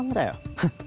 フッ。